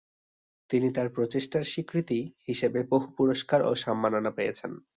তিনি তার প্রচেষ্টার স্বীকৃতি হিসাবে বহু পুরস্কার ও সম্মাননা পেয়েছেন।